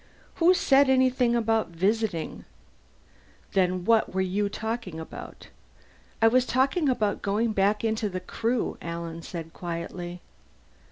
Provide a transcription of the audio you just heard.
"Who said anything about visiting?" "Then what were you talking about?" "I was talking about going back into the Crew," Alan said quietly.